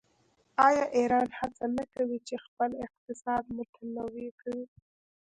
آیا ایران هڅه نه کوي چې خپل اقتصاد متنوع کړي؟